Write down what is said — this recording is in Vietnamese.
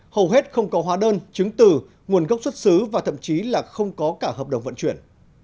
hầu hết không có hóa đơn chứng từ nguồn gốc xuất xứ và thậm chí là không có cả hợp đồng vận chuyển